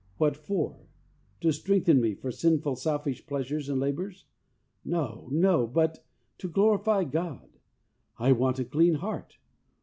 What for? To strengthen me for sinful, selfish pleasures and labours? No, no, but to glorify God. I want a clean heart.